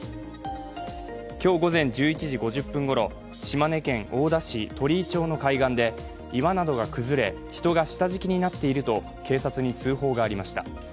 今日午前１１時５０分ごろ島根県大田市鳥井町の海岸で岩などが崩れ、人が下敷きになっていると警察に通報がありました。